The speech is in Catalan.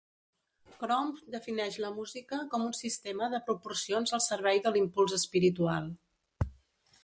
Crumb defineix la música com un sistema de proporcions al servei de l'impuls espiritual.